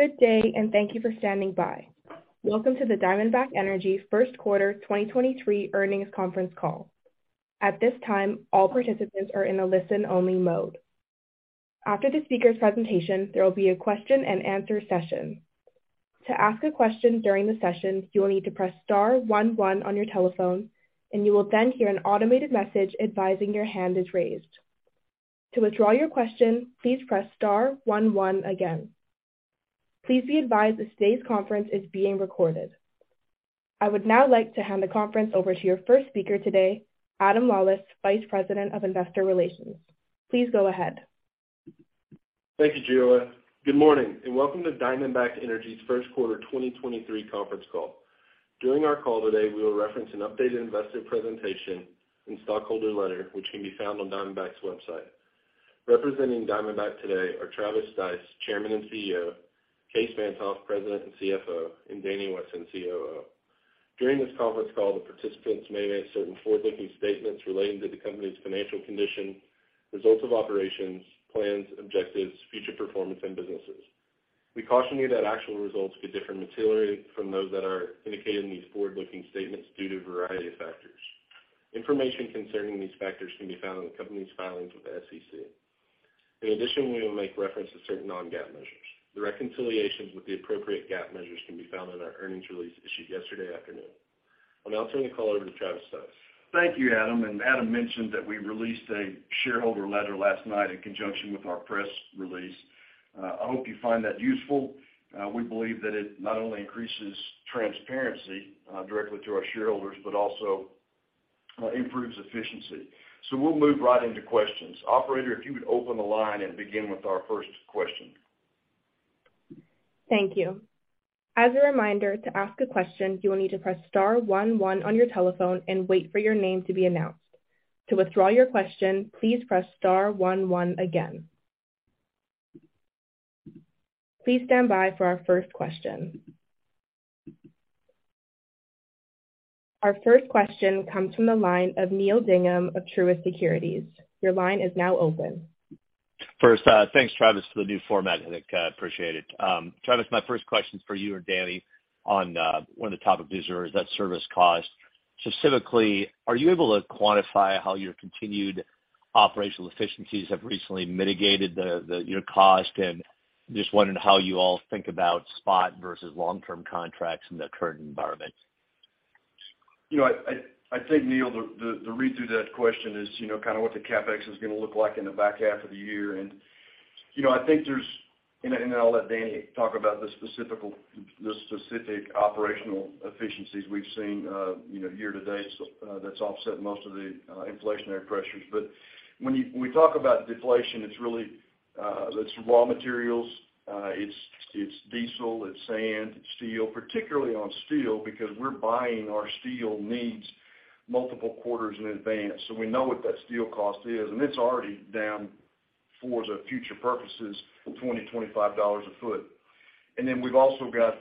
Good day, thank you for standing by. Welcome to the Diamondback Energy first quarter 2023 earnings conference call. At this time, all participants are in a listen-only mode. After the speaker's presentation, there will be a question-and-answer session. To ask a question during the session, you will need to press star one one on your telephone, and you will then hear an automated message advising your hand is raised. To withdraw your question, please press star one one again. Please be advised that today's conference is being recorded. I would now like to hand the conference over to your first speaker today, Adam Lawlis, Vice President of Investor Relations. Please go ahead. Thank you, Gina. Welcome to Diamondback Energy's first quarter 2023 conference call. During our call today, we will reference an updated investor presentation and stockholder letter, which can be found on Diamondback's website. Representing Diamondback today are Travis Stice, Chairman and CEO; Kaes Van't Hof, President and CFO; and Daniel Wesson, COO. During this conference call, the participants may make certain forward-looking statements relating to the company's financial condition, results of operations, plans, objectives, future performance and businesses. We caution you that actual results could differ materially from those that are indicated in these forward-looking statements due to a variety of factors. Information concerning these factors can be found in the company's filings with the SEC. In addition, we will make reference to certain non-GAAP measures. The reconciliations with the appropriate GAAP measures can be found in our earnings release issued yesterday afternoon. I'll now turn the call over to Travis Stice. Thank you, Adam. Adam mentioned that we released a shareholder letter last night in conjunction with our press release. I hope you find that useful. We believe that it not only increases transparency, directly to our shareholders, but also, improves efficiency. We'll move right into questions. Operator, if you would open the line and begin with our first question. Thank you. As a reminder, to ask a question, you will need to press star one one on your telephone and wait for your name to be announced. To withdraw your question, please press star one one again. Please stand by for our first question. Our first question comes from the line of Neal Dingmann of Truist Securities. Your line is now open. First, thanks, Travis, for the new format. I think, appreciate it. Travis, my first question is for you or Daniel on, one of the topic deserves that service cost. Specifically, are you able to quantify how your continued operational efficiencies have recently mitigated the your cost? Just wondering how you all think about spot versus long-term contracts in the current environment. You know, I think, Neal, the read through that question is, you know, kinda what the CapEx is gonna look like in the back half of the year. You know, I think there's I'll let Daniel talk about the specific operational efficiencies we've seen, you know, year to date, so that's offset most of the inflationary pressures. When we talk about deflation, it's really, it's raw materials, it's diesel, it's sand, it's steel. Particularly on steel because we're buying our steel needs multiple quarters in advance. We know what that steel cost is, and it's already down for the future purposes, $20-$25 a foot. We've also got,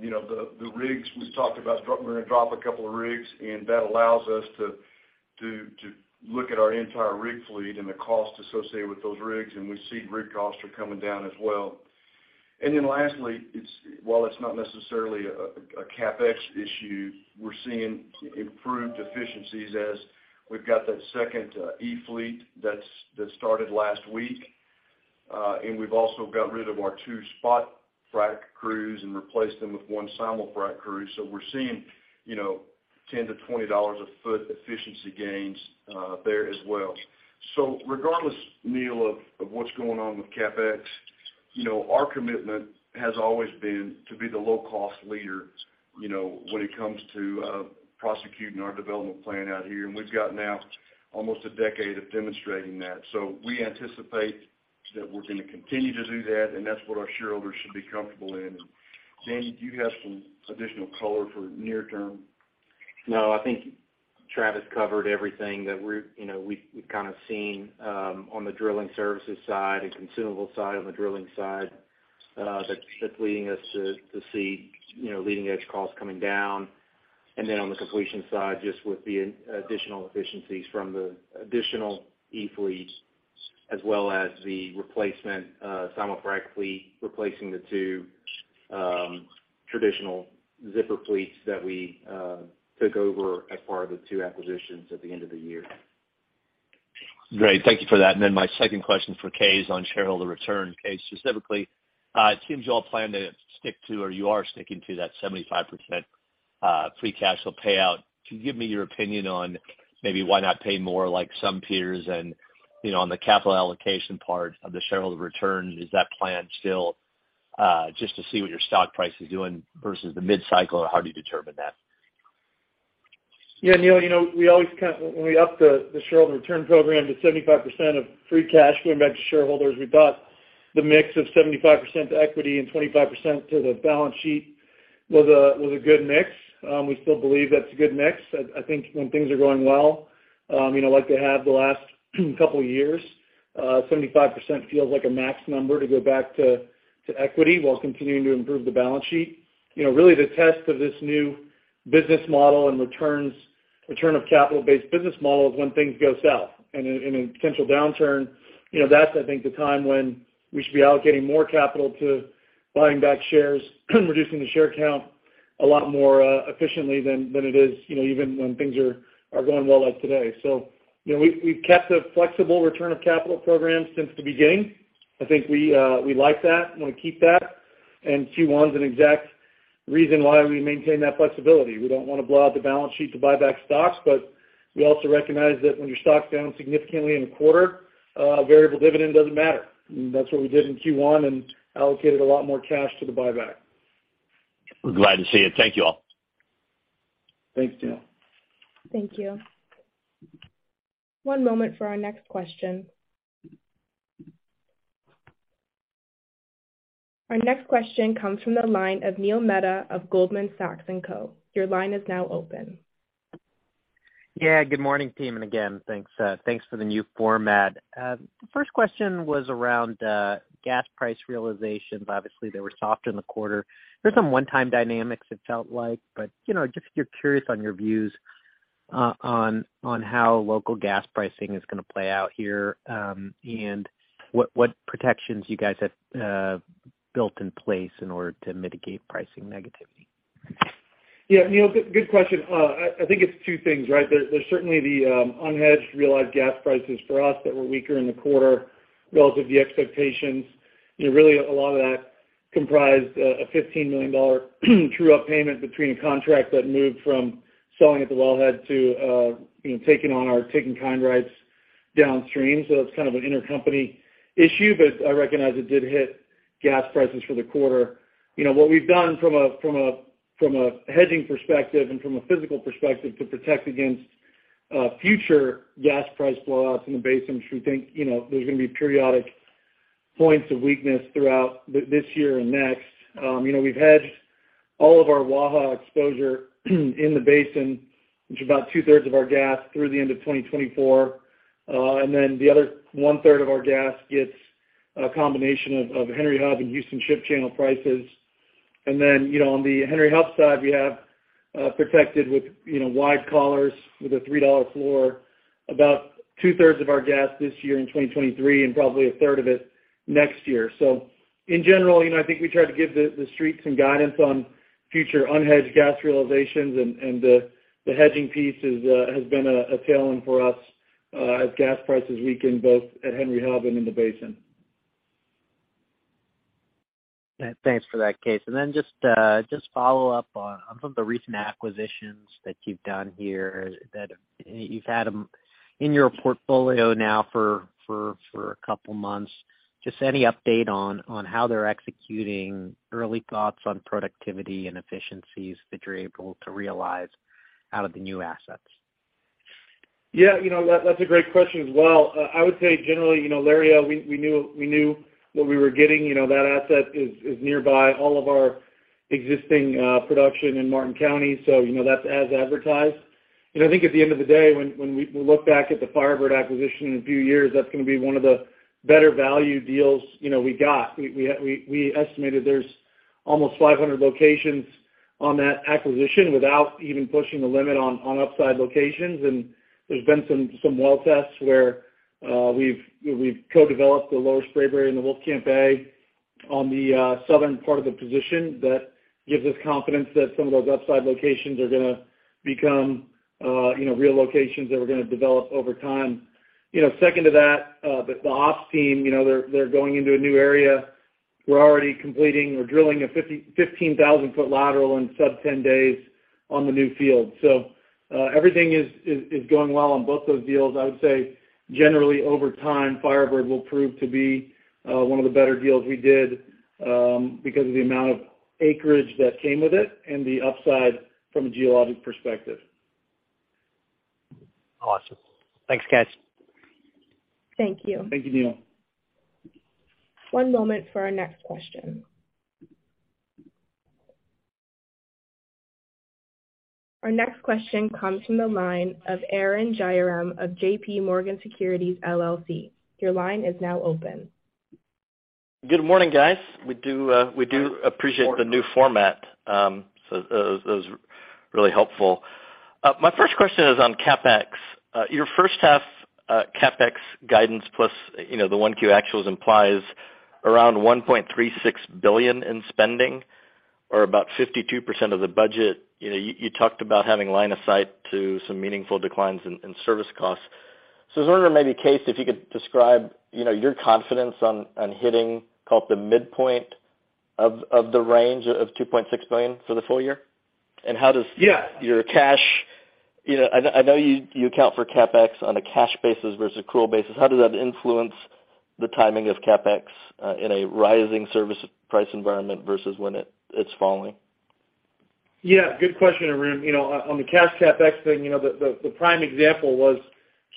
you know, the rigs we've talked about, we're going to drop two rigs, and that allows us to look at our entire rig fleet and the cost associated with those rigs, and we see rig costs are coming down as well. Lastly, while it's not necessarily a CapEx issue, we're seeing improved efficiencies as we've got that second e-fleet that started last week. We've also got rid of our two spot frac crews and replaced them with one simul-frac crew. We're seeing, you know, $10-$20 a foot efficiency gains there as well. Regardless, Neal, of what's going on with CapEx, you know, our commitment has always been to be the low-cost leader, you know, when it comes to prosecuting our development plan out here. We've got now almost a decade of demonstrating that. We anticipate that we're gonna continue to do that, and that's what our shareholders should be comfortable in. Daniel, do you have some additional color for near term? No, I think Travis covered everything that we're, you know, we've kinda seen on the drilling services side and consumable side on the drilling side, that's leading us to see, you know, leading edge costs coming down. Then on the completion side, just with the additional efficiencies from the additional e-fleets as well as the replacement simul-frac fleet replacing the two traditional zipper fleets that we took over as part of the two acquisitions at the end of the year. Great. Thank you for that. My second question for Kaes on shareholder return. Kaes, specifically, it seems you all plan to stick to or you are sticking to that 75% free cash flow payout. Can you give me your opinion on maybe why not pay more like some peers and, you know, on the capital allocation part of the shareholder return, is that planned still, just to see what your stock price is doing versus the mid-cycle, or how do you determine that? Yeah, Neal, you know, we always When we upped the shareholder return program to 75% of free cash flow back to shareholders, we thought the mix of 75% to equity and 25% to the balance sheet was a good mix. We still believe that's a good mix. I think when things are going well, you know, like they have the last couple of years, 75% feels like a max number to go back to equity while continuing to improve the balance sheet. You know, really the test of this new Business model return of capital-based business model is when things go south. In a potential downturn, you know, that's, I think, the time when we should be allocating more capital to buying back shares, reducing the share count a lot more efficiently than it is, you know, even when things are going well, like today. You know, we've kept a flexible return of capital program since the beginning. I think we like that, wanna keep that. Q1 is an exact reason why we maintain that flexibility. We don't wanna blow out the balance sheet to buy back stocks, but we also recognize that when your stock's down significantly in a quarter, a variable dividend doesn't matter. That's what we did in Q1 and allocated a lot more cash to the buyback. We're glad to see it. Thank you all. Thanks, Neal. Thank you. One moment for our next question. Our next question comes from the line of Neil Mehta of Goldman Sachs & Co. Your line is now open. Good morning, team, again, thanks for the new format. The first question was around gas price realization, obviously they were softer in the quarter. There's some one-time dynamics it felt like, you know, just you're curious on your views on how local gas pricing is gonna play out here, what protections you guys have built in place in order to mitigate pricing negativity. Yeah, Neil Mehta, good question. I think it's two things, right? There's certainly the unhedged realized gas prices for us that were weaker in the quarter relative to the expectations. You know, really a lot of that comprised a $15 million true-up payment between a contract that moved from selling at the wellhead to, you know, taking in kind rights downstream. It's kind of an intercompany issue, but I recognize it did hit gas prices for the quarter. You know, what we've done from a hedging perspective and from a physical perspective to protect against future gas price blowouts in the basin, which we think, you know, there's gonna be periodic points of weakness throughout this year and next. You know, we've hedged all of our Waha exposure in the basin, which is about 2/3 of our gas through the end of 2024. The other 1/3 of our gas gets a combination of Henry Hub and Houston Ship Channel prices. You know, on the Henry Hub side, we have protected with, you know, wide collars with a $3 floor, about 2/3 of our gas this year in 2023 and probably 1/3 of it next year. In general, you know, I think we try to give the Street some guidance on future unhedged gas realizations and the hedging piece is has been a tailwind for us as gas prices weaken both at Henry Hub and in the basin. Thanks for that, Kaes. Just follow up on some of the recent acquisitions that you've done here that you've had them in your portfolio now for a couple months. Just any update on how they're executing, early thoughts on productivity and efficiencies that you're able to realize out of the new assets? Yeah, you know, that's a great question as well. I would say generally, you know, Lario, we knew, we knew what we were getting. You know, that asset is nearby all of our existing, production in Martin County, so you know that's as advertised. I think at the end of the day, when we look back at the FireBird acquisition in a few years, that's gonna be one of the better value deals, you know, we got. We estimated there's almost 500 locations on that acquisition without even pushing the limit on upside locations. There's been some well tests where we've co-developed the Lower Spraberry and the Wolfcamp A on the southern part of the position that gives us confidence that some of those upside locations are gonna become, you know, real locations that we're gonna develop over time. You know, second to that, the ops team, you know, they're going into a new area. We're already completing or drilling a 15,000 foot lateral in sub 10 days on the new field. Everything is going well on both those deals. I would say generally over time, Firebird will prove to be one of the better deals we did, because of the amount of acreage that came with it and the upside from a geologic perspective. Awesome. Thanks, Kaes. Thank you. Thank you, Neil. One moment for our next question. Our next question comes from the line of Arun Jayaram of J.P. Morgan Securities LLC. Your line is now open. Good morning, guys. We do appreciate the new format. It was really helpful. My first question is on CapEx. Your first half CapEx guidance plus, you know, the 1Q actuals implies around $1.36 billion in spending or about 52% of the budget. You know, you talked about having line of sight to some meaningful declines in service costs. I was wondering maybe, Kaes, if you could describe, you know, your confidence on hitting call it the midpoint of the range of $2.6 billion for the full year. Yeah. your cash... You know, I know you account for CapEx on a cash basis versus accrual basis. How does that influence the timing of CapEx in a rising service price environment versus when it's falling? Yeah, good question, Arun. You know, on the cash CapEx thing, you know, the prime example was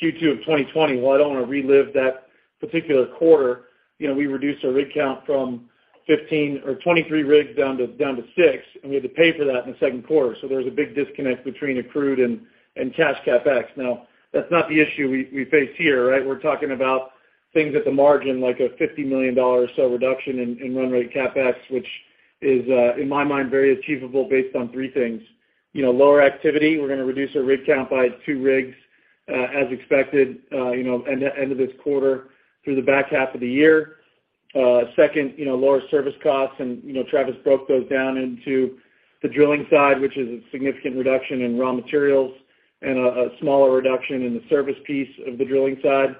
Q2 of 2020. While I don't wanna relive that particular quarter, you know, we reduced our rig count from 15 or 23 rigs down to six, and we had to pay for that in the second quarter. There was a big disconnect between accrued and cash CapEx. That's not the issue we face here, right? We're talking about things at the margin, like a $50 million or so reduction in run rate CapEx, which is in my mind, very achievable based on three things. You know, lower activity, we're gonna reduce our rig count by two rigs, as expected, you know, end of this quarter through the back half of the year. Second, you know, lower service costs and, you know, Travis broke those down into the drilling side, which is a significant reduction in raw materials and a smaller reduction in the service piece of the drilling side.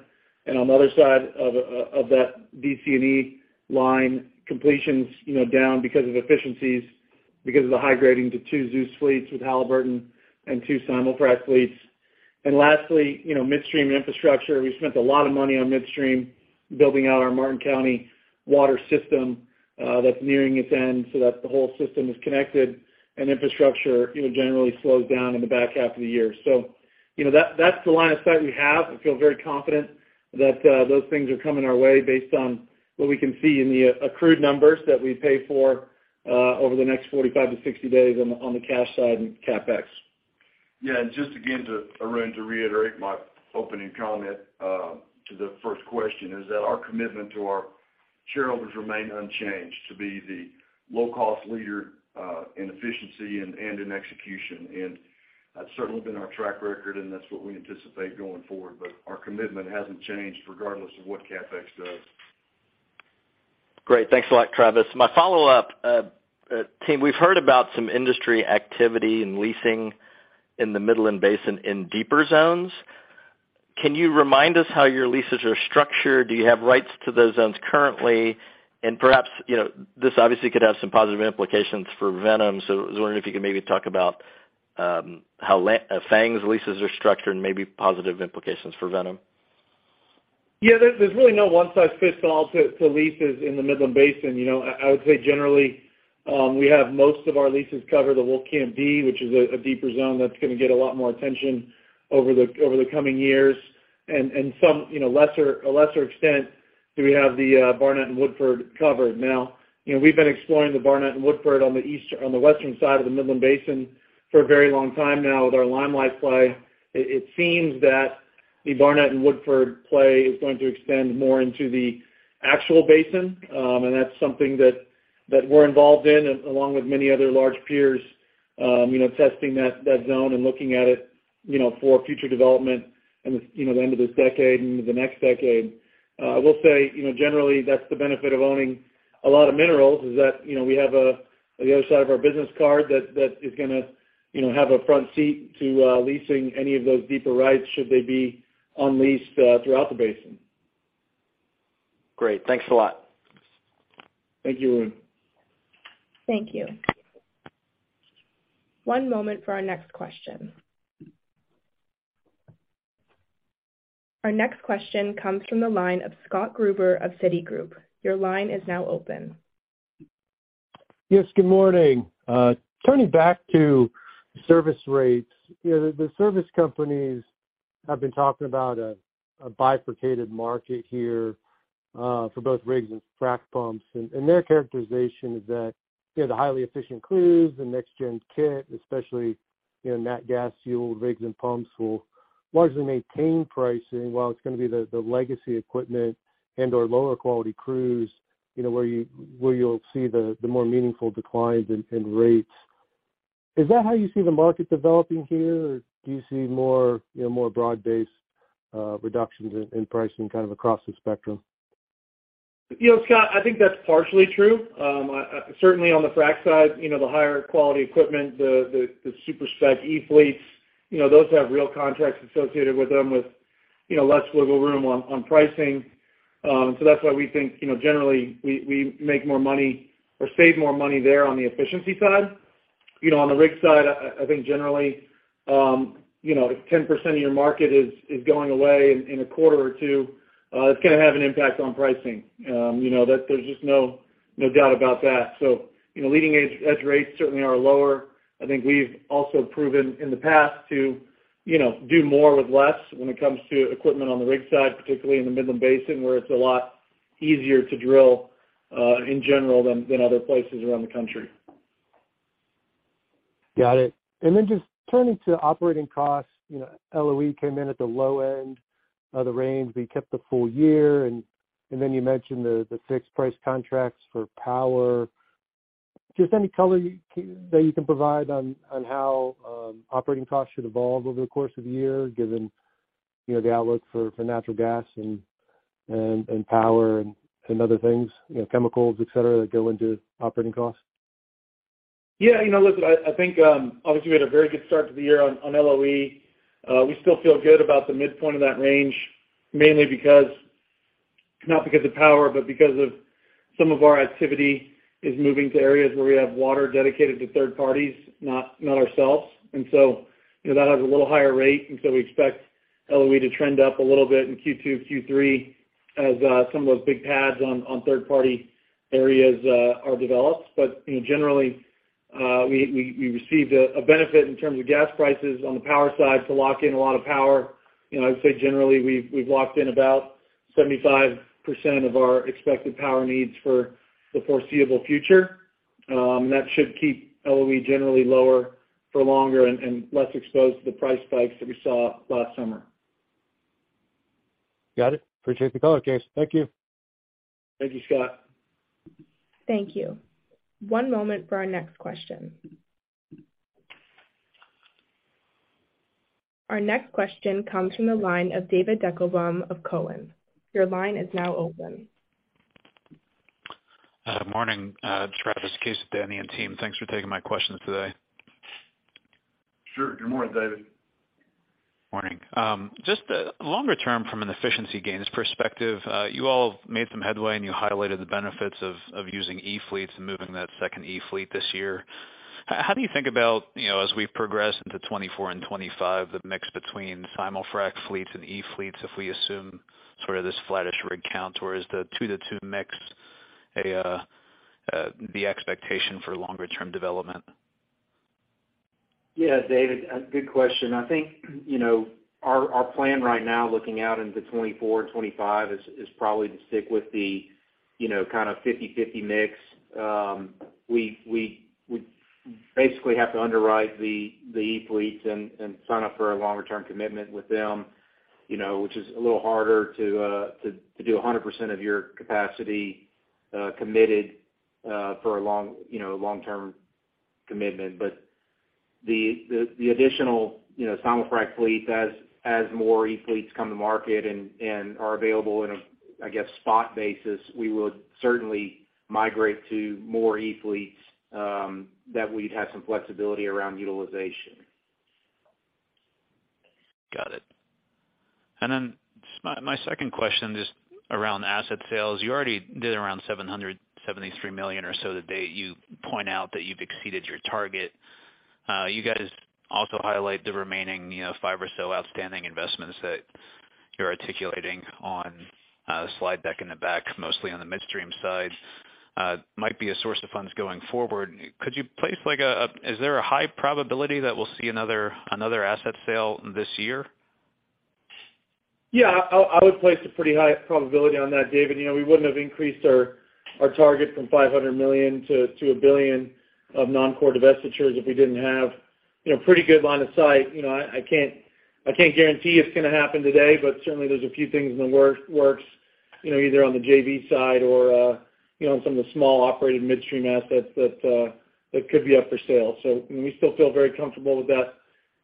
On the other side of that DC&E line completions, you know, down because of efficiencies, because of the high grading to two ZEUS fleets with Halliburton and two simulfrac fleets. Lastly, you know, midstream infrastructure. We spent a lot of money on midstream building out our Martin County water system, that's nearing its end so that the whole system is connected, and infrastructure, you know, generally slows down in the back half of the year. You know, that's the line of sight we have. I feel very confident that those things are coming our way based on what we can see in the accrued numbers that we pay for over the next 45 - 60 days on the cash side and CapEx. Yeah. Just again, to, Arun, to reiterate my opening comment, to the first question, is that our commitment to our shareholders remain unchanged to be the low-cost leader, in efficiency and in execution. That's certainly been our track record, and that's what we anticipate going forward. Our commitment hasn't changed regardless of what CapEx does. Great. Thanks a lot, Travis. My follow-up, team, we've heard about some industry activity in leasing in the Midland Basin in deeper zones. Can you remind us how your leases are structured? Do you have rights to those zones currently? Perhaps, you know, this obviously could have some positive implications for Venom. I was wondering if you could maybe talk about how FANG's leases are structured and maybe positive implications for Venom. Yeah. There's really no one size fits all to leases in the Midland Basin. You know, I would say generally, we have most of our leases cover the Wolfcamp B, which is a deeper zone that's gonna get a lot more attention over the coming years. Some, you know, a lesser extent, do we have the Barnett and Woodford covered. You know, we've been exploring the Barnett and Woodford on the western side of the Midland Basin for a very long time now with our Limelight play. It seems that the Barnett and Woodford play is going to extend more into the actual basin, and that's something that we're involved in, along with many other large peers, you know, testing that zone and looking at it, you know, for future development in this, you know, the end of this decade and the next decade. I will say, you know, generally, that's the benefit of owning a lot of minerals is that, you know, we have the other side of our business card that is gonna, you know, have a front seat to leasing any of those deeper rights should they be unleased throughout the basin. Great. Thanks a lot. Thank you, Arun. Thank you. One moment for our next question. Our next question comes from the line of Scott Gruber of Citigroup. Your line is now open. Yes, good morning. Turning back to service rates. You know, the service companies have been talking about a bifurcated market here for both rigs and frac pumps. Their characterization is that, you know, the highly efficient crews, the next gen kit, especially, you know, nat gas fueled rigs and pumps, will largely maintain pricing while it's gonna be the legacy equipment and/or lower quality crews, you know, where you'll see the more meaningful declines in rates. Is that how you see the market developing here, or do you see more, you know, more broad-based reductions in pricing kind of across the spectrum? You know, Scott, I think that's partially true. Certainly on the frac side, you know, the higher quality equipment, the super spec e-fleets, you know, those have real contracts associated with them with, you know, less wiggle room on pricing. That's why we think, you know, generally we make more money or save more money there on the efficiency side. You know, on the rig side, I think generally, you know, if 10% of your market is going away in a quarter or two, it's gonna have an impact on pricing. You know, there's just no doubt about that. Leading edge rates certainly are lower. I think we've also proven in the past to, you know, do more with less when it comes to equipment on the rig side, particularly in the Midland Basin, where it's a lot easier to drill in general than other places around the country. Got it. Then just turning to operating costs, you know, LOE came in at the low end of the range, but you kept the full year. Then you mentioned the fixed price contracts for power. Just any color you that you can provide on how operating costs should evolve over the course of the year, given, you know, the outlook for natural gas and power and other things, you know, chemicals, et cetera, that go into operating costs? Yeah. You know, listen, I think, obviously we had a very good start to the year on LOE. We still feel good about the midpoint of that range, mainly because, not because of power, but because of some of our activity is moving to areas where we have water dedicated to third parties, not ourselves. You know, that has a little higher rate, and so we expect LOE to trend up a little bit in Q2, Q3 as some of those big pads on third party areas are developed. You know, generally, we received a benefit in terms of gas prices on the power side to lock in a lot of power. You know, I would say generally we've locked in about 75% of our expected power needs for the foreseeable future. That should keep LOE generally lower for longer and less exposed to the price spikes that we saw last summer. Got it. Appreciate the call, Kaes. Thank you. Thank you, Scott. Thank you. One moment for our next question. Our next question comes from the line of David Deckelbaum of Cowen. Your line is now open. Morning, Travis, Kaes, Daniel and team. Thanks for taking my questions today. Sure. Good morning, David. Morning. Just longer term from an efficiency gains perspective, you all made some headway and you highlighted the benefits of using e-fleets and moving that second e-fleet this year. How do you think about, you know, as we progress into 2024 and 2025, the mix between simulfrac fleets and e-fleets if we assume sort of this flattish rig count? Or is the two - two mix a the expectation for longer term development? Yeah, David, a good question. I think, you know, our plan right now looking out into 2024 and 2025 is probably to stick with the, you know, kinda 50/50 mix. We basically have to underwrite the E fleets and sign up for a longer term commitment with them, you know, which is a little harder to do a 100% of your capacity committed for a long, you know, long-term commitment. The additional, you know, simulfrac fleet as more E fleets come to market and are available in a, I guess, spot basis, we would certainly migrate to more E fleets that we'd have some flexibility around utilization. Got it. My, my second question is around asset sales. You already did around $773 million or so to date. You point out that you've exceeded your target. You guys also highlight the remaining, you know, five or so outstanding investments that you're articulating on the slide deck in the back, mostly on the midstream side. Might be a source of funds going forward. Is there a high probability that we'll see another asset sale this year? I would place a pretty high probability on that, David. You know, we wouldn't have increased our target from $500 million - $1 billion of non-core divestitures if we didn't have, you know, pretty good line of sight. You know, I can't, I can't guarantee it's gonna happen today, but certainly there's a few things in the works, you know, either on the JV side or, you know, on some of the small operated midstream assets that could be up for sale. We still feel very comfortable with that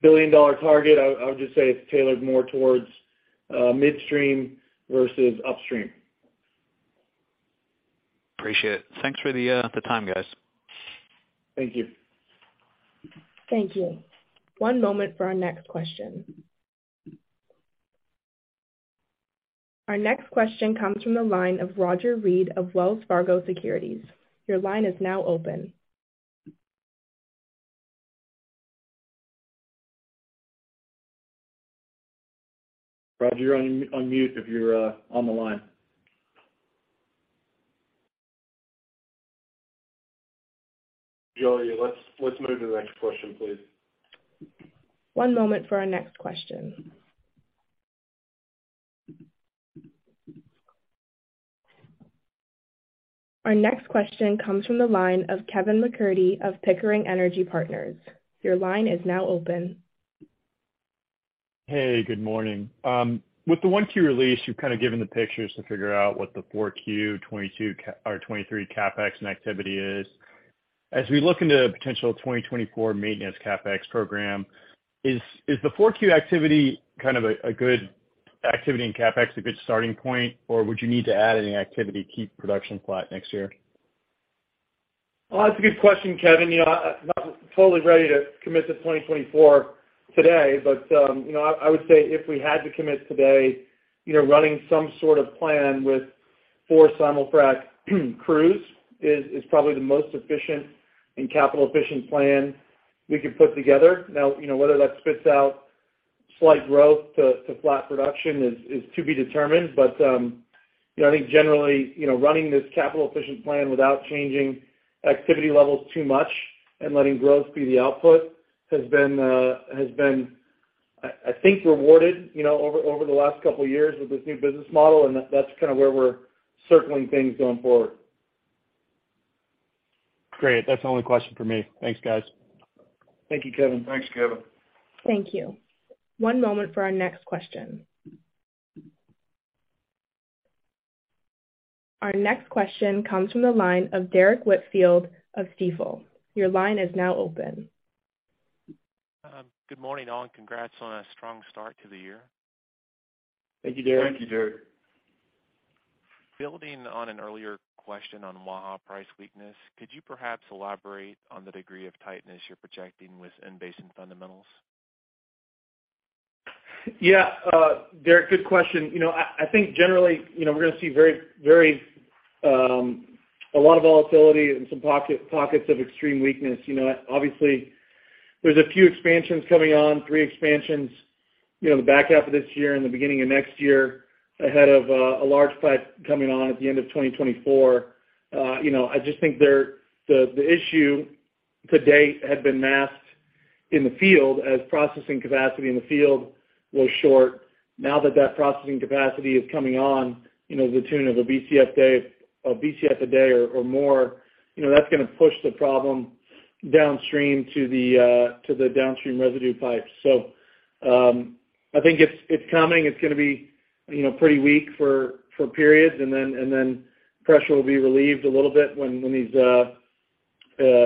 billion-dollar target. I would just say it's tailored more towards midstream versus upstream. Appreciate it. Thanks for the time, guys. Thank you. Thank you. One moment for our next question. Our next question comes from the line of Roger Read of Wells Fargo Securities. Your line is now open. Roger, you're on mute if you're on the line. Joey, let's move to the next question, please. One moment for our next question. Our next question comes from the line of Kevin MacCurdy of Pickering Energy Partners. Your line is now open. Hey, good morning. With the 1Q release, you've kinda given the pictures to figure out what the 4Q 2022 or 2023 CapEx and activity is. As we look into potential 2024 maintenance CapEx program, is the 4Q activity kind of a good activity in CapEx a good starting point, or would you need to add any activity to keep production flat next year? Well, that's a good question, Kevin. You know, I'm not totally ready to commit to 2024 today, you know, I would say if we had to commit today, you know, running some sort of plan with four simulfrac crews is probably the most efficient and capital efficient plan we could put together. You know, whether that spits out slight growth to flat production is to be determined. You know, I think generally, you know, running this capital efficient plan without changing activity levels too much and letting growth be the output has been, I think rewarded, you know, over the last couple of years with this new business model, and that's kind of where we're circling things going forward. Great. That's the only question for me. Thanks, guys. Thank you, Kevin. Thanks, Kevin. Thank you. One moment for our next question. Our next question comes from the line of Derrick Whitfield of Stifel. Your line is now open. Good morning, all, and congrats on a strong start to the year. Thank you, Derrick. Thank you, Derrick. Building on an earlier question on Waha price weakness, could you perhaps elaborate on the degree of tightness you're projecting with in-basin fundamentals? Yeah. Derrick, good question. You know, I think generally, you know, we're gonna see very, very a lot of volatility and some pockets of extreme weakness. You know, obviously there's a few expansions coming on, three expansions, you know, the back half of this year and the beginning of next year ahead of a large fleet coming on at the end of 2024. You know, I just think the issue to date had been masked in the field as processing capacity in the field was short. Now that that processing capacity is coming on, you know, to the tune of a BCF a day or more, you know, that's gonna push the problem downstream to the downstream residue pipes. I think it's coming. It's gonna be, you know, pretty weak for periods, and then pressure will be relieved a little bit when these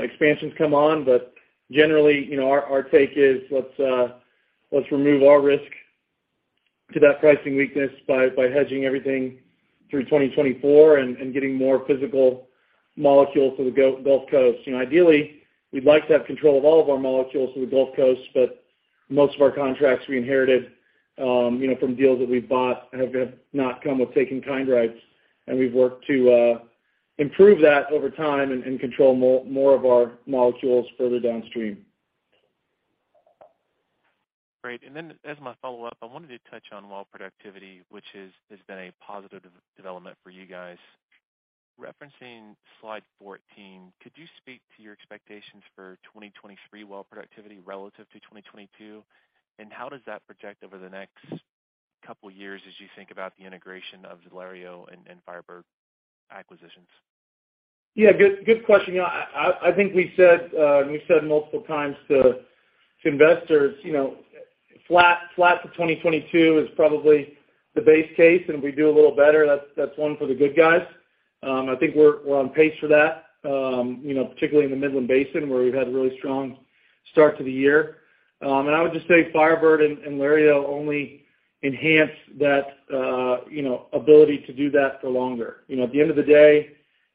expansions come on. Generally, you know, our take is let's remove our risk to that pricing weakness by hedging everything through 2024 and getting more physical molecules to the Gulf Coast. You know, ideally, we'd like to have control of all of our molecules to the Gulf Coast, but most of our contracts we inherited, you know, from deals that we've bought have not come with taking kind rights, and we've worked to improve that over time and control more of our molecules further downstream. Great. As my follow-up, I wanted to touch on well productivity, which is, has been a positive development for you guys. Referencing slide 14, could you speak to your expectations for 2023 well productivity relative to 2022? How does that project over the next couple years as you think about the integration of Lario and FireBird acquisitions? Yeah, good question. You know, I think we said, and we've said multiple times to investors, you know, flat to 2022 is probably the base case, and if we do a little better, that's one for the good guys. I think we're on pace for that, you know, particularly in the Midland Basin, where we've had a really strong start to the year. I would just say Firebird and Lario only enhance that, you know, ability to do that for longer. You know, at the end of the day,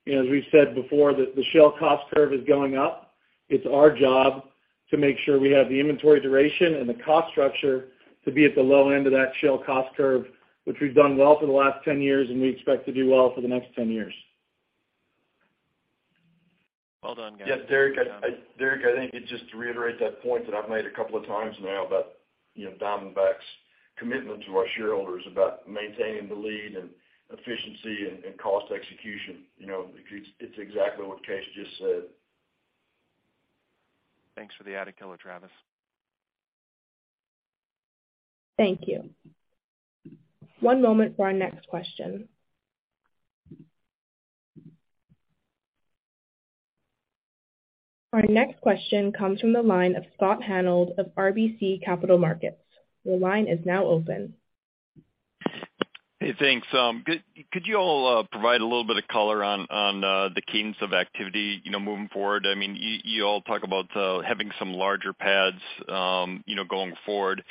you know, as we've said before, the shale cost curve is going up. It's our job to make sure we have the inventory duration and the cost structure to be at the low end of that shale cost curve, which we've done well for the last 10 years, and we expect to do well for the next 10 years. Well done, guys. Derrick, I think just to reiterate that point that I've made a couple of times now about, you know, Diamondback's commitment to our shareholders about maintaining the lead and efficiency and cost execution. You know, it's exactly what Chase just said. Thanks for the added color, Travis. Thank you. One moment for our next question. Our next question comes from the line of Scott Hanold of RBC Capital Markets. Your line is now open. Hey, thanks. Could you all provide a little bit of color on the cadence of activity, you know, moving forward? I mean, you all talk about having some larger pads, you know, going forward. You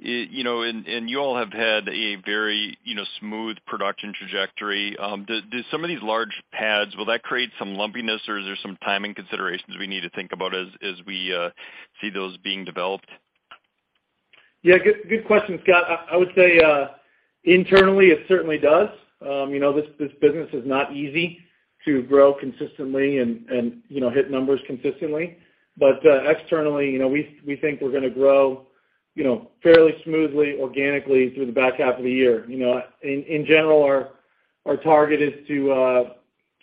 know, and you all have had a very, you know, smooth production trajectory. Do some of these large pads, will that create some lumpiness, or is there some timing considerations we need to think about as we see those being developed? Yeah, good question, Scott. I would say, internally, it certainly does. You know, this business is not easy to grow consistently and, you know, hit numbers consistently. Externally, you know, we think we're gonna grow, you know, fairly smoothly organically through the back half of the year. You know, in general, our target is to,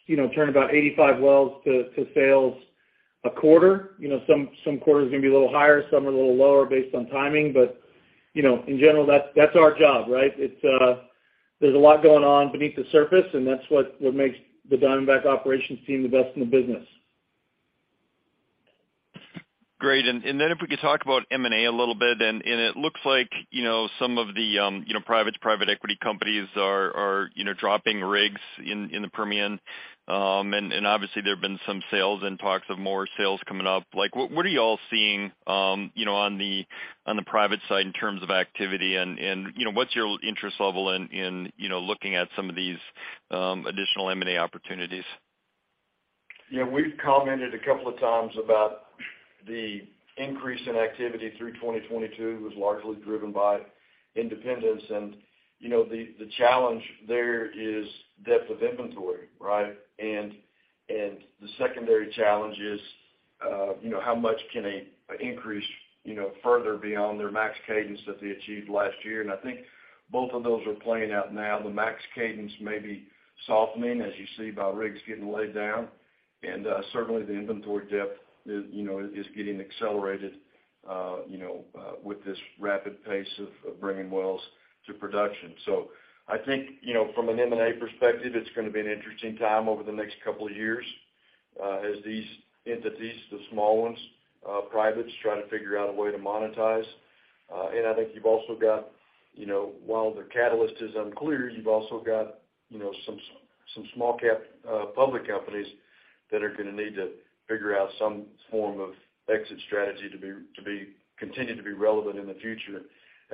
you know, turn about 85 wells to sales a quarter. You know, some quarters are gonna be a little higher, some are a little lower based on timing. You know, in general, that's our job, right? It's, there's a lot going on beneath the surface, and that's what makes the Diamondback operations team the best in the business. Great. Then if we could talk about M&A a little bit, it looks like, you know, some of the, you know, private equity companies are, you know, dropping rigs in the Permian. Obviously there have been some sales and talks of more sales coming up. Like, what are you all seeing, you know, on the private side in terms of activity and, you know, what's your interest level in, you know, looking at some of these additional M&A opportunities? Yeah. We've commented a couple of times about the increase in activity through 2022 was largely driven by independence. You know, the challenge there is depth of inventory, right? And the secondary challenge is, you know, how much can an increase, you know, further beyond their max cadence that they achieved last year. I think both of those are playing out now. The max cadence may be softening, as you see by rigs getting laid down. Certainly the inventory depth is, you know, is getting accelerated, you know, with this rapid pace of bringing wells to production. I think, you know, from an M&A perspective, it's gonna be an interesting time over the next couple of years, as these entities, the small ones, privates, try to figure out a way to monetize. I think you've also got, you know, while the catalyst is unclear, you've also got, you know, some small cap public companies that are gonna need to figure out some form of exit strategy to continue to be relevant in the future.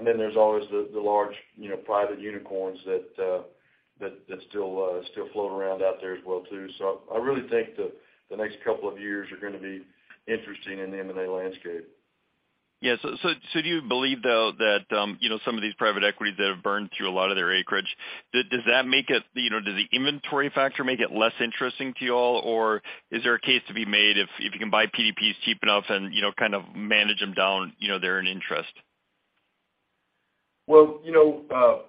There's always the large, you know, private unicorns that still float around out there as well too. I really think the next couple of years are gonna be interesting in the M&A landscape. Yeah. Do you believe, though, that, you know, some of these private equities that have burned through a lot of their acreage, does that make it, you know, does the inventory factor make it less interesting to you all, or is there a case to be made if you can buy PDPs cheap enough and, you know, kind of manage them down, you know, their own interest? You know,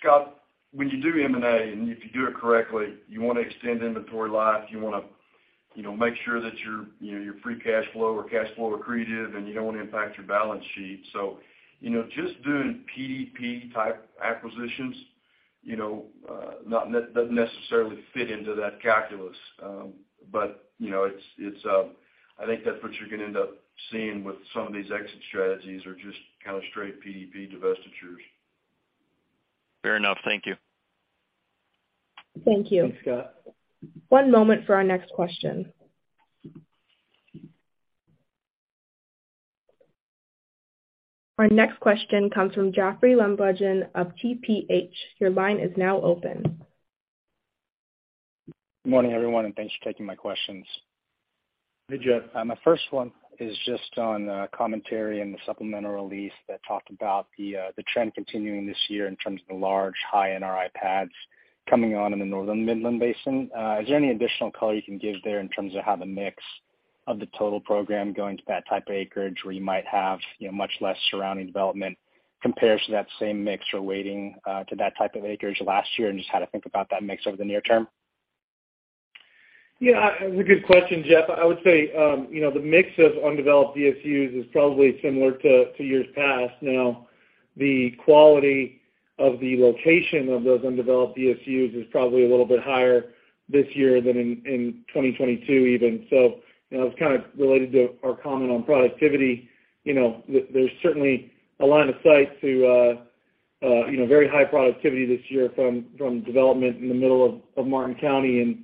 Scott, when you do M&A, and if you do it correctly, you want to extend inventory life. You wanna, you know, make sure that your, you know, your free cash flow or cash flow accretive, and you don't want to impact your balance sheet. you know, just doing PDP type acquisitions, you know, doesn't necessarily fit into that calculus. you know, it's I think that's what you're gonna end up seeing with some of these exit strategies, are just kind of straight PDP divestitures. Fair enough. Thank you. Thank you. Thanks, Scott. One moment for our next question. Our next question comes from Jeoffrey Lambujon of TPH. Your line is now open. Good morning, everyone, and thanks for taking my questions. Good Jeoffrey. My first one is just on commentary in the supplemental release that talked about the trend continuing this year in terms of the large, high NRI pads coming on in the Northern Midland Basin. Is there any additional color you can give there in terms of how the mix of the total program going to that type of acreage, where you might have, you know, much less surrounding development compared to that same mix or weighting to that type of acreage last year and just how to think about that mix over the near term? Yeah. It's a good question, Jeoffrey. I would say, you know, the mix of undeveloped DSUs is probably similar to years past. The quality of the location of those undeveloped DSUs is probably a little bit higher this year than in 2022 even. You know, it's kind of related to our comment on productivity. You know, there's certainly a line of sight to, you know, very high productivity this year from development in the middle of Martin County.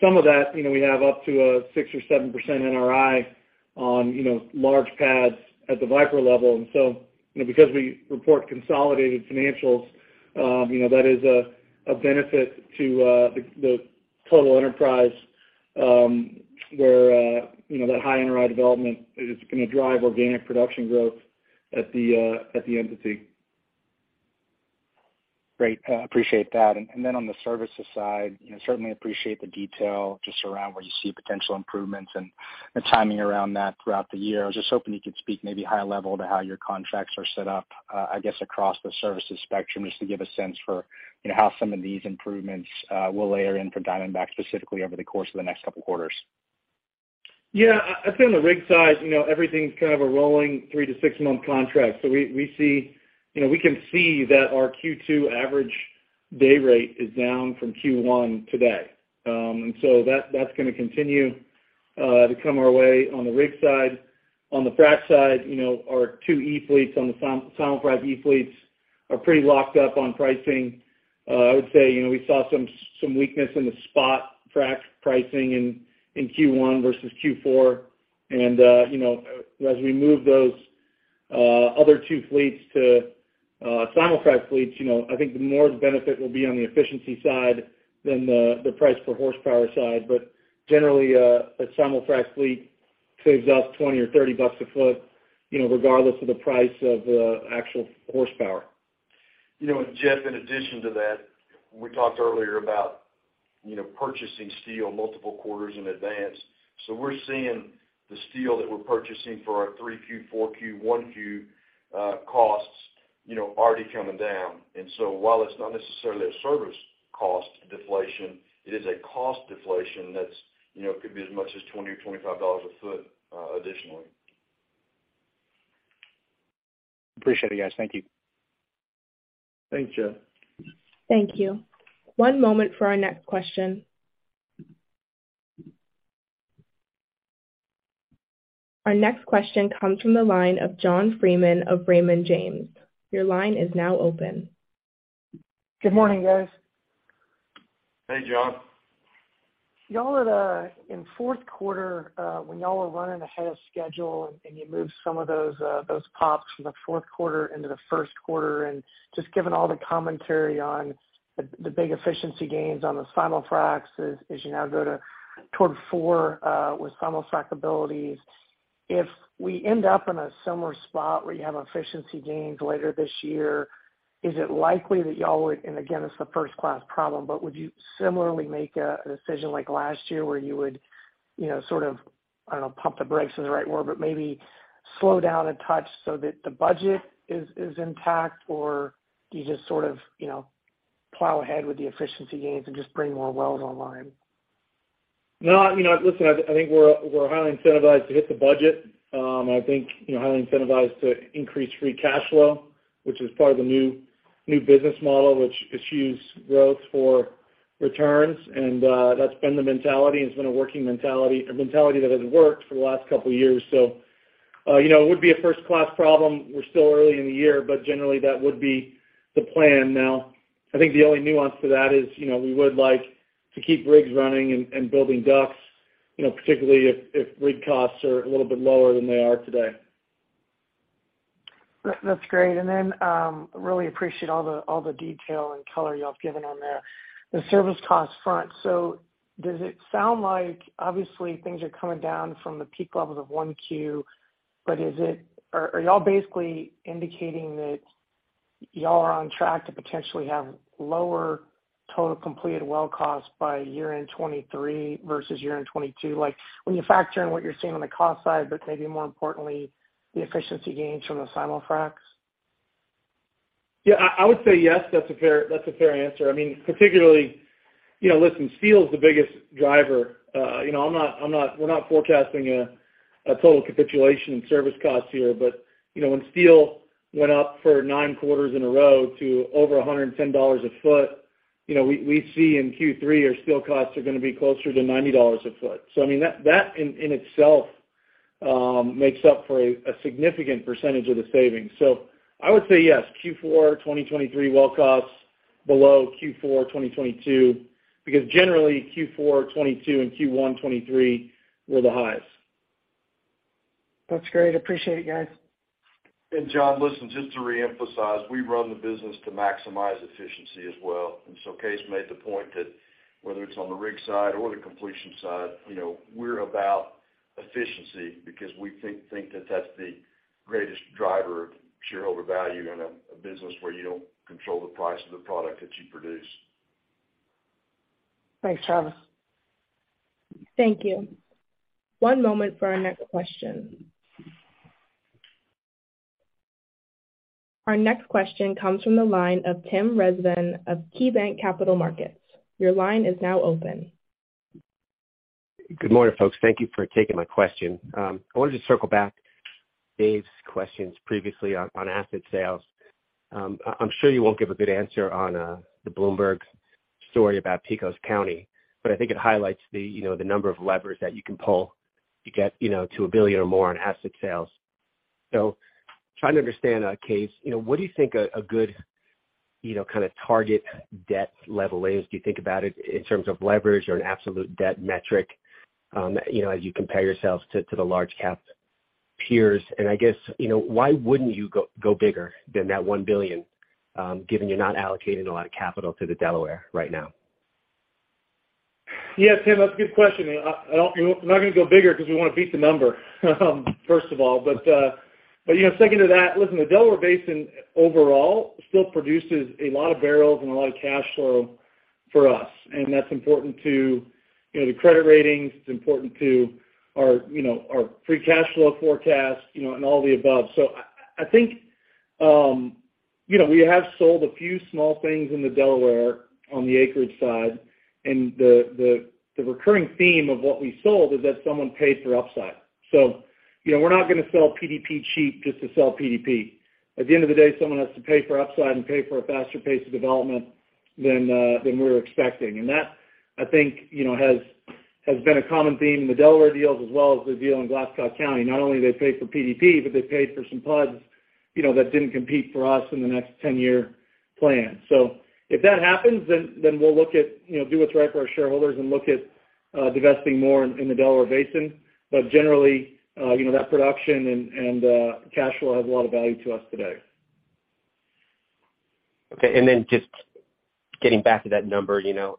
Some of that, you know, we have up to 6% or 7% NRI on, you know, large pads at the Viper level. You know, because we report consolidated financials, you know, that is a benefit to the total enterprise, where, you know, that high NRI development is gonna drive organic production growth at the entity. Great. appreciate that. On the services side, you know, certainly appreciate the detail just around where you see potential improvements and the timing around that throughout the year. I was just hoping you could speak maybe high level to how your contracts are set up, I guess, across the services spectrum, just to give a sense for, you know, how some of these improvements, will layer in for Diamondback, specifically over the course of the next couple quarters. Yeah. I think on the rig side, you know, everything's kind of a rolling three-six month contract. We see. You know, we can see that our Q2 average day rate is down from Q1 today. That's gonna continue to come our way on the rig side. On the frac side, you know, our two e-fleets on the simulfrac e-fleets are pretty locked up on pricing. I would say, you know, we saw some weakness in the spot frac pricing in Q1 versus Q4. You know, as we move those other two fleets to simulfrac fleets, you know, I think the more the benefit will be on the efficiency side than the price per horsepower side. Generally, a simulfrac fleet saves us $20 or $30 a foot, you know, regardless of the price of the actual horsepower. You know what, Jeoffreyin addition to that, we talked earlier about, you know, purchasing steel multiple quarters in advance. We're seeing the steel that we're purchasing for our 3Q, 4Q, 1Q costs, you know, already coming down. While it's not necessarily a service cost deflation, it is a cost deflation that's, you know, could be as much as $20 or $25 a foot, additionally. Appreciate it, guys. Thank you. Thanks, Jeoffrey. Thank you. One moment for our next question. Our next question comes from the line of John Freeman of Raymond James. Your line is now open. Good morning, guys. Hey, John. Y'all are the... In fourth quarter, when y'all were running ahead of schedule and you moved some of those pops from the fourth quarter into the first quarter, and just given all the commentary on the big efficiency gains on the simulfracs as you now go to toward four with simulfrac abilities, if we end up in a similar spot where you have efficiency gains later this year, is it likely that y'all would, and again, it's a first-class problem, but would you similarly make a decision like last year where you would, you know, sort of, I don't know, pump the brakes is the right word, but maybe slow down a touch so that the budget is intact? Or do you just sort of, you know, plow ahead with the efficiency gains and just bring more wells online? I think we're highly incentivized to hit the budget. I think, you know, highly incentivized to increase free cash flow, which is part of the new business model, which issues growth for returns. That's been the mentality, and it's been a working mentality, a mentality that has worked for the last couple years. You know, it would be a first-class problem. We're still early in the year, but generally, that would be the plan. Now, I think the only nuance to that is, you know, we would like to keep rigs running and building DUCs, you know, particularly if rig costs are a little bit lower than they are today That's great. Really appreciate all the detail and color y'all have given on there. The service cost front. Does it sound like, obviously, things are coming down from the peak levels of 1Q? Are y'all basically indicating that y'all are on track to potentially have lower? Total completed well cost by year-end 2023 versus year-end 2022. Like, when you factor in what you're seeing on the cost side, but maybe more importantly, the efficiency gains from the simulfracs? Yeah, I would say yes, that's a fair answer. I mean particularly, you know, listen, steel is the biggest driver. You know, I'm not forecasting a total capitulation in service costs here. You know, when steel went up for nine quarters in a row to over $110 a foot, you know, we see in Q3 our steel costs are gonna be closer to $90 a foot. I mean, that in itself makes up for a significant percentage of the savings. I would say yes, Q4 2023 well costs below Q4 2022, because generally Q4 2022 and Q1 2023 were the highest. That's great. Appreciate it, guys. John, listen, just to reemphasize, we run the business to maximize efficiency as well. Kaes made the point that whether it's on the rig side or the completion side, you know, we're about efficiency because we think that that's the greatest driver of shareholder value in a business where you don't control the price of the product that you produce. Thanks, Travis. Thank you. One moment for our next question. Our next question comes from the line of Tim Rezvan of KeyBanc Capital Markets. Your line is now open. Good morning, folks. Thank you for taking my question. I wanted to circle back David's questions previously on asset sales. I'm sure you won't give a good answer on the Bloomberg story about Pecos County, but I think it highlights the, you know, the number of levers that you can pull to get, you know, to $1 billion or more on asset sales. Trying to understand, Kaes, you know, what do you think a good, you know, kind of target debt level is? Do you think about it in terms of leverage or an absolute debt metric, you know, as you compare yourselves to the large cap peers? I guess, you know, why wouldn't you go bigger than that $1 billion, given you're not allocating a lot of capital to the Delaware right now? Yeah, Tim, that's a good question. We're not gonna go bigger 'cause we wanna beat the number, first of all. You know, second to that, listen, the Delaware Basin overall still produces a lot of barrels and a lot of cash flow for us, and that's important to, you know, the credit ratings. It's important to our, you know, our free cash flow forecast, you know, and all the above. I think, you know, we have sold a few small things in the Delaware on the acreage side. The recurring theme of what we sold is that someone paid for upside. You know, we're not gonna sell PDP cheap just to sell PDP. At the end of the day, someone has to pay for upside and pay for a faster pace of development than we're expecting. That, I think, you know, has been a common theme in the Delaware deals as well as the deal in Glasscock County. Not only did they pay for PDP, but they paid for some PUDs, you know, that didn't compete for us in the next 10-year plan. If that happens, then we'll look at, you know, do what's right for our shareholders and look at divesting more in the Delaware Basin. Generally, you know, that production and cash flow has a lot of value to us today. Okay. Just getting back to that number, you know,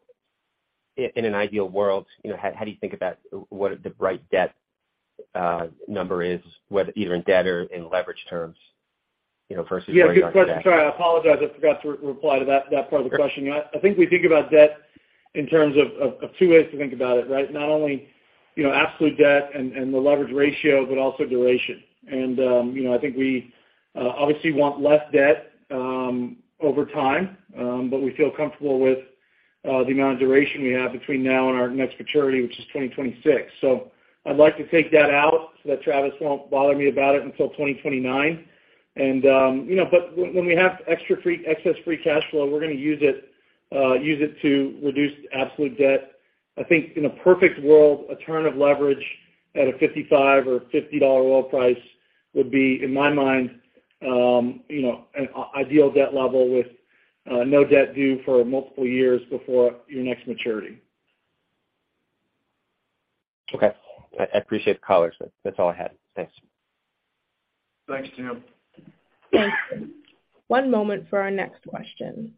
in an ideal world, you know, how do you think about what the right debt number is, whether either in debt or in leverage terms, you know, versus where you are today? Yeah, good question. Sorry, I apologize. I forgot to re-reply to that part of the question. I think we think about debt in terms of two ways to think about it, right? Not only, you know, absolute debt and the leverage ratio but also duration. You know, I think we obviously want less debt over time, but we feel comfortable with the amount of duration we have between now and our next maturity, which is 2026. I'd like to take that out so that Travis won't bother me about it until 2029. You know, but when we have excess free cash flow, we're gonna use it to reduce absolute debt. I think in a perfect world, a turn of leverage at a $55 or $50 oil price would be, in my mind, you know, an ideal debt level with no debt due for multiple years before your next maturity. Okay. I appreciate the color. That's all I had. Thanks. Thanks, Tim. Thank you. One moment for our next question.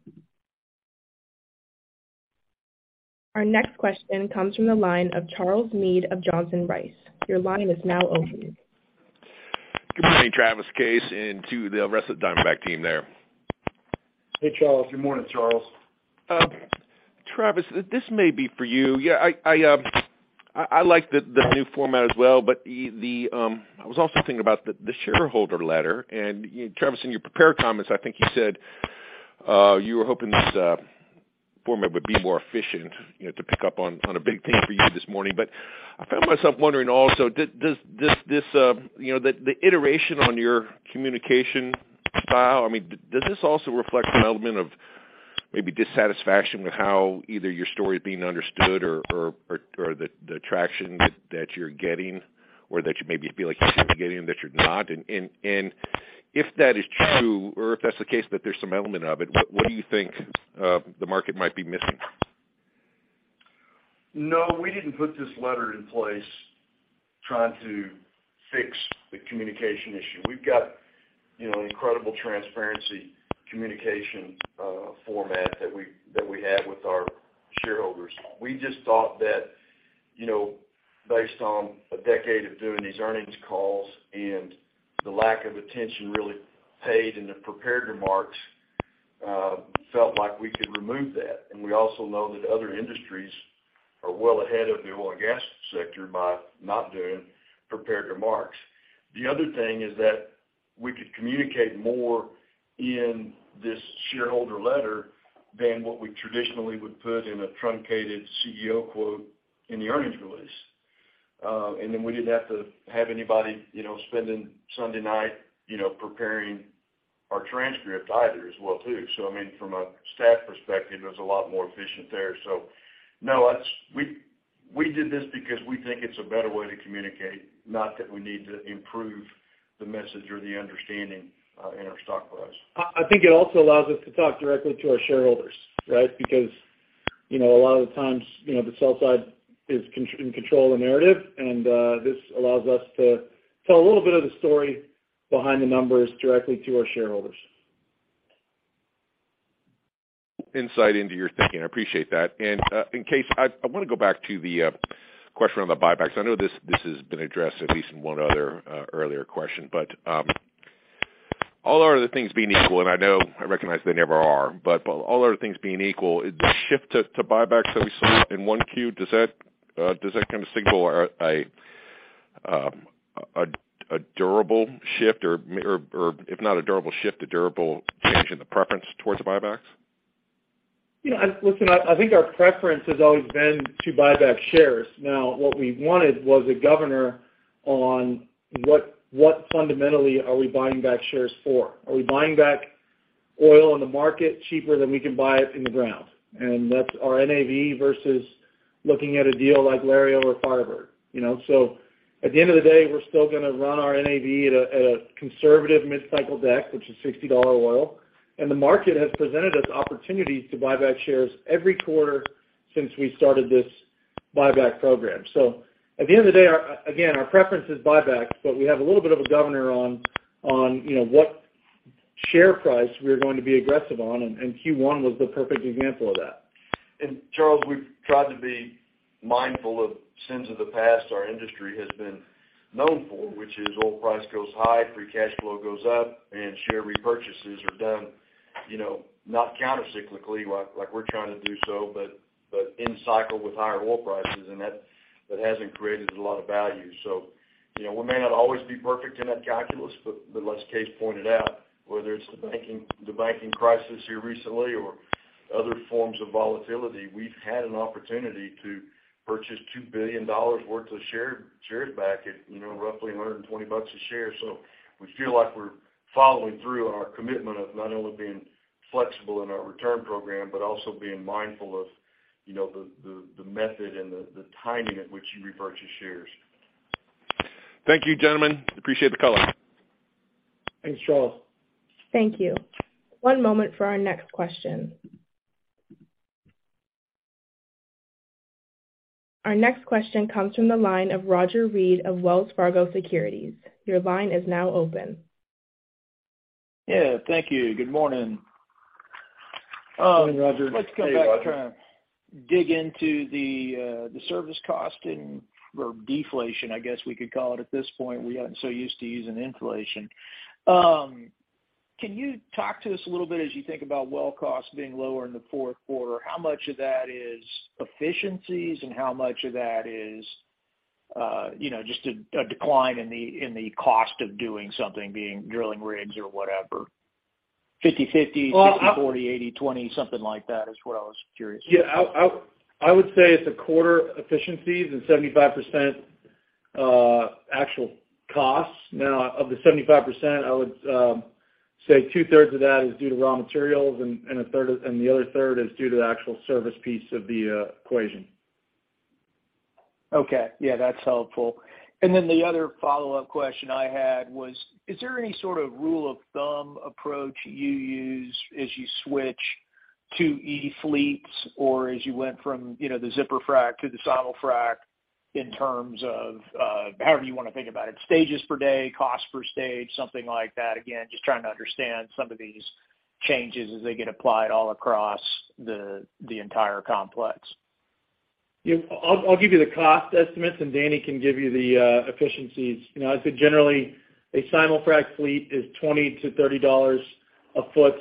Our next question comes from the line of Charles Meade of Johnson Rice. Your line is now open. Good morning, Travis, Kaes, and to the rest of the Diamondback team there. Hey, Charles. Good morning, Charles. Travis, this may be for you. Yeah, I like the new format as well, but I was also thinking about the shareholder letter. You know, Travis, in your prepared comments, I think you said you were hoping this format would be more efficient, you know, to pick up on a big theme for you this morning. I found myself wondering also, does this, you know, the iteration on your communication style, I mean, does this also reflect an element of maybe dissatisfaction with how either your story is being understood or the traction that you're getting, or that you maybe feel like you should be getting that you're not? If that is true or if that's the case that there's some element of it, what do you think the market might be missing? No, we didn't put this letter in place trying to fix the communication issue. We've got, you know, incredible transparency communication, format that we, that we have with our shareholders. We just thought that, you know, based on a decade of doing these earnings calls and the lack of attention really paid in the prepared remarks, felt like we could remove that. We also know that other industries are well ahead of the oil and gas sector by not doing prepared remarks. The other thing is that we could communicate more in this shareholder letter than what we traditionally would put in a truncated CEO quote in the earnings release. Then we didn't have to have anybody, you know, spending Sunday night, you know, preparing our transcript either as well, too. I mean, from a staff perspective, it was a lot more efficient there. No, that's we did this because we think it's a better way to communicate, not that we need to improve the message or the understanding in our stock price. I think it also allows us to talk directly to our shareholders, right? Because, you know, a lot of the times, you know, the sell side is in control of the narrative, and this allows us to tell a little bit of the story behind the numbers directly to our shareholders. Insight into your thinking. I appreciate that. Kaes, I wanna go back to the question on the buybacks. I know this has been addressed at least in one other, earlier question. All other things being equal, and I know, I recognize they never are, but all other things being equal, the shift to buybacks that we saw in 1Q, does that, does that kind of signal a durable shift? Or if not a durable shift, a durable change in the preference towards buybacks? You know, listen, I think our preference has always been to buy back shares. What we wanted was a governor on what fundamentally are we buying back shares for? Are we buying back oil in the market cheaper than we can buy it in the ground? That's our NAV versus looking at a deal like Lario Over FireBird, you know? At the end of the day, we're still gonna run our NAV at a conservative mid-cycle deck, which is $60 oil. The market has presented us opportunities to buy back shares every quarter since we started this buyback program. At the end of the day, our, again, our preference is buybacks, but we have a little bit of a governor on, you know, what share price we're going to be aggressive on, and Q1 was the perfect example of that. Charles, we've tried to be mindful of sins of the past our industry has been known for, which is oil price goes high, free cash flow goes up, and share repurchases are done, you know, not countercyclically, like we're trying to do so, but in cycle with higher oil prices, and that hasn't created a lot of value. You know, we may not always be perfect in that calculus, but as Kaes pointed out, whether it's the banking crisis here recently or other forms of volatility, we've had an opportunity to purchase $2 billion worth of shares back at, you know, roughly $120 a share. We feel like we're following through on our commitment of not only being flexible in our return program, but also being mindful of, you know, the method and the timing at which you repurchase shares. Thank you, gentlemen. Appreciate the color. Thanks, Charles. Thank you. One moment for our next question. Our next question comes from the line of Roger Read of Wells Fargo Securities. Your line is now open. Yeah. Thank you. Good morning. Morning, Roger. Hey, Roger. Let's go back and kinda dig into the service cost and, or deflation, I guess we could call it at this point. We got so used to using inflation. Can you talk to us a little bit as you think about well costs being lower in the fourth quarter, how much of that is efficiencies and how much of that is, you know, just a decline in the cost of doing something, being drilling rigs or whatever? 50/50. Well.... 60/40, 80/20, something like that is what I was curious about. Yeah, I would say it's a quarter efficiencies and 75%, actual costs. Of the 75%, I would say two-thirds of that is due to raw materials and the other third is due to the actual service piece of the equation. Okay. Yeah, that's helpful. The other follow-up question I had was, is there any sort of rule of thumb approach you use as you switch to E fleets or as you went from, you know, the Zipper frac to the simul-frac in terms of, however you wanna think about it, stages per day, cost per stage, something like that? Again, just trying to understand some of these changes as they get applied all across the entire complex. Yeah. I'll give you the cost estimates, and Danny can give you the efficiencies. You know, I'd say generally, a simul-frac fleet is $20-$30 a foot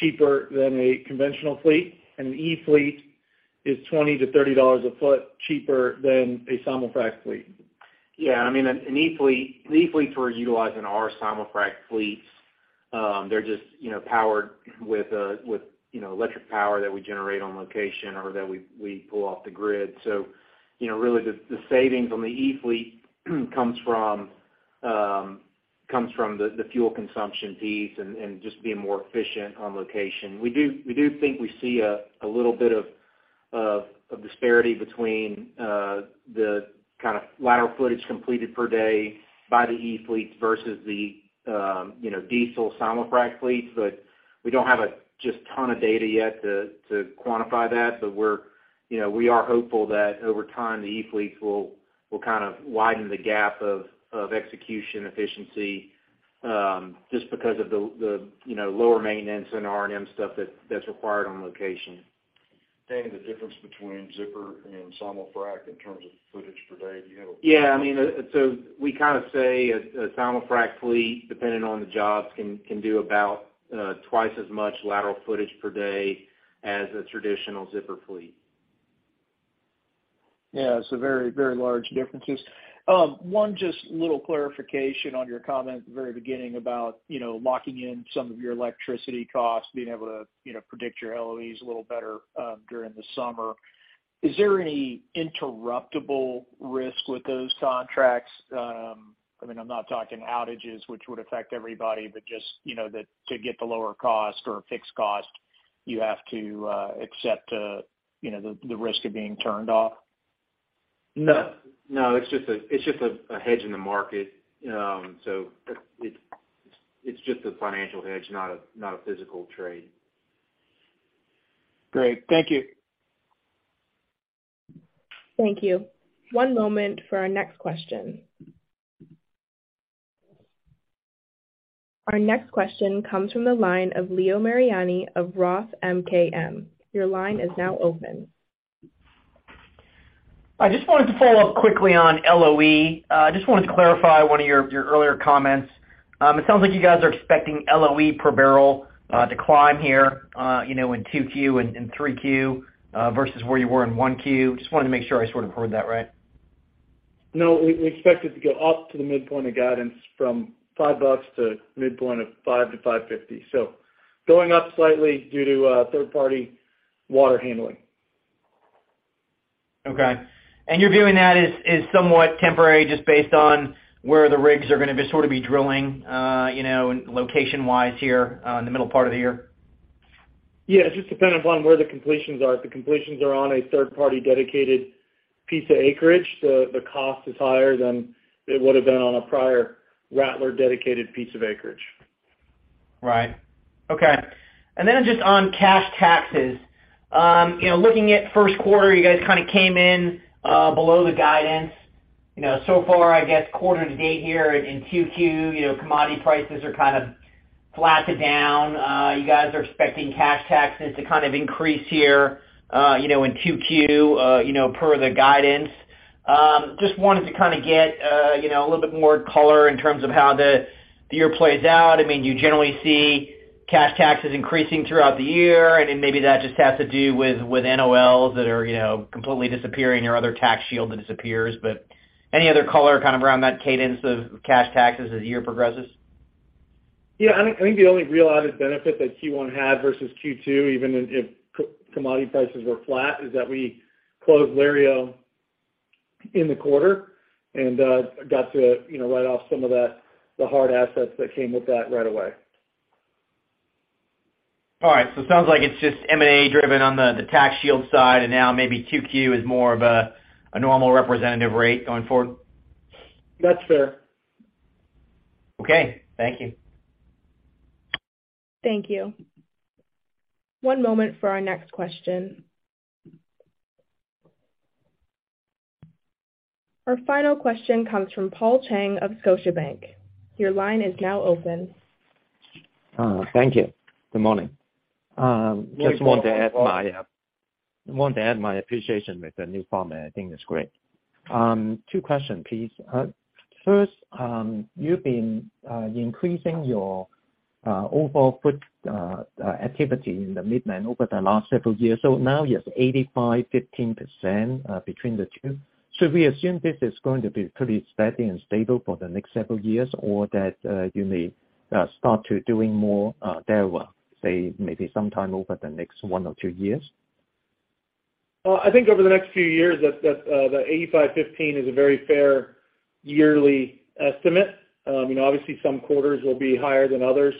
cheaper than a conventional fleet, and an e-fleet is $20-$30 a foot cheaper than a simul-frac fleet. I mean, e-fleets we're utilizing are simul-frac fleets. They're just, you know, powered with, you know, electric power that we generate on location or that we pull off the grid. You know, really the savings on the e-fleet comes from, comes from the fuel consumption piece and just being more efficient on location. We do think we see a little bit of disparity between the kind of lateral footage completed per day by the e-fleets versus the, you know, diesel simul-frac fleets. We don't have a just ton of data yet to quantify that. We're, you know, we are hopeful that over time, the e-fleets will kind of widen the gap of execution efficiency. Just because of the, you know, lower maintenance and R&M stuff that's required on location. The difference between zipper and simulfrac in terms of footage per day, do you have? Yeah, I mean, we kinda say a simulfrac fleet, depending on the jobs, can do about twice as much lateral footage per day as a traditional zipper fleet. Yeah. Very, very large differences. One just little clarification on your comment at the very beginning about, you know, locking in some of your electricity costs, being able to, you know, predict your LOEs a little better, during the summer. Is there any interruptible risk with those contracts? I mean, I'm not talking outages, which would affect everybody, but just, you know, that to get the lower cost or a fixed cost, you have to accept, you know, the risk of being turned off. No. No, it's just a hedge in the market. It's just a financial hedge, not a physical trade. Great. Thank you. Thank you. One moment for our next question. Our next question comes from the line of Leo Mariani of Roth MKM. Your line is now open. I just wanted to follow up quickly on LOE. Just wanted to clarify one of your earlier comments. It sounds like you guys are expecting LOE per barrel to climb here, you know, in 2Q and 3Q versus where you were in 1Q. Just wanted to make sure I sort of heard that right? No. We expect it to go up to the midpoint of guidance from $5 to midpoint of $5-$5.50. Going up slightly due to third party water handling. Okay. You're viewing that as somewhat temporary just based on where the rigs are gonna be, sort of be drilling, you know, location-wise here, in the middle part of the year? Yeah, it just depends upon where the completions are. If the completions are on a third party dedicated piece of acreage, the cost is higher than it would've been on a prior Rattler dedicated piece of acreage. Right. Okay. Just on cash taxes. You know, looking at first quarter, you guys kinda came in below the guidance. You know, so far, I guess quarter to date here in 2Q, you know, commodity prices are kind of flat to down. You guys are expecting cash taxes to kind of increase here, you know, in 2Q, you know, per the guidance. Just wanted to kinda get, you know, a little bit more color in terms of how the year plays out. I mean, you generally see cash taxes increasing throughout the year, and then maybe that just has to do with NOLs that are, you know, completely disappearing, your other tax shield that disappears. Any other color kind of around that cadence of cash taxes as the year progresses? Yeah. I think the only real added benefit that Q1 had versus Q2, even in, if c-commodity prices were flat, is that we closed Lario in the quarter and got to, you know, write off some of that, the hard assets that came with that right away. All right. Sounds like it's just M&A driven on the tax shield side, and now maybe 2Q is more of a normal representative rate going forward. That's fair. Okay. Thank you. Thank you. One moment for our next question. Our final question comes from Paul Cheng of Scotiabank. Your line is now open. Thank you. Good morning. Good morning. Just want to add my appreciation with the new format. I think it's great. Two question, please. First, you've been increasing your overall activity in the Midland over the last several years. Now you have 85/15% between the two. Should we assume this is going to be pretty steady and stable for the next several years or that you may start to doing more Delaware, say, maybe sometime over the next one or two years? I think over the next few years that the 85/15 is a very fair yearly estimate. You know, obviously some quarters will be higher than others.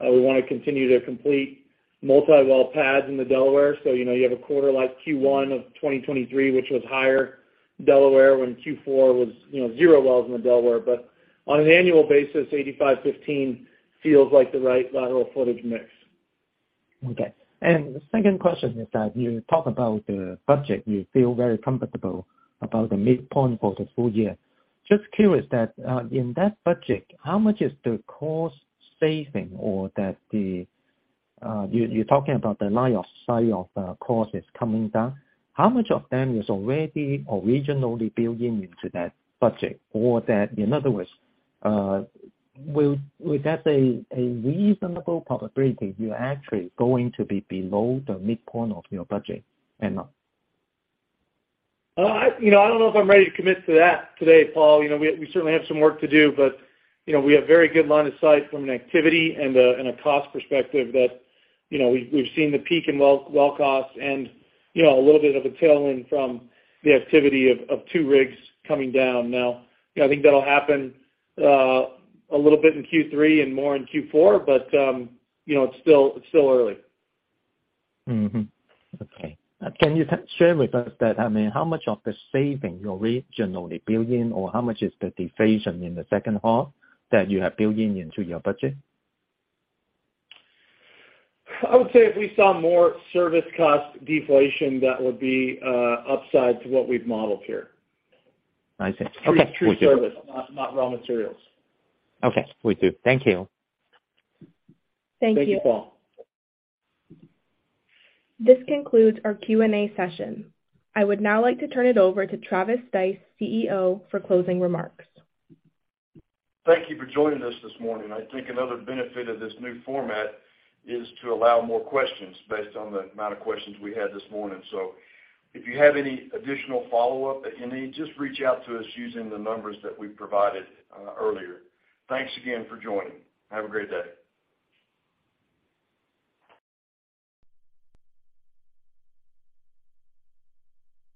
We wanna continue to complete multi-well pads in the Delaware. You know, you have a quarter like Q1 of 2023, which was higher Delaware when Q4 was, you know, zero wells in the Delaware. On an annual basis, 85/15 feels like the right lateral footage mix. Okay. The second question is that you talk about the budget. You feel very comfortable about the midpoint for the full year. Just curious that, in that budget, how much is the cost saving or that the, you're talking about the line of sight of costs coming down. How much of them is already originally built into that budget? In other words, will that say a reasonable probability you're actually going to be below the midpoint of your budget and not? You know, I don't know if I'm ready to commit to that today, Paul. You know, we certainly have some work to do, but, you know, we have very good line of sight from an activity and a cost perspective that, you know, we've seen the peak in well costs and, you know, a little bit of a tailwind from the activity of two rigs coming down now. You know, I think that'll happen a little bit in Q3 and more in Q4, but, you know, it's still early. Mm-hmm. Okay. Can you share with us that, I mean, how much of the saving you originally built in, or how much is the deflation in the second half that you have built into your budget? I would say if we saw more service cost deflation, that would be upside to what we've modeled here. I see. Okay. True, true service, not raw materials. Okay. Will do. Thank you. Thank you. Thank you, Paul. This concludes our Q&A session. I would now like to turn it over to Travis Stice, CEO, for closing remarks. Thank you for joining us this morning. I think another benefit of this new format is to allow more questions based on the amount of questions we had this morning. If you have any additional follow-up that you need, just reach out to us using the numbers that we provided earlier. Thanks again for joining. Have a great day.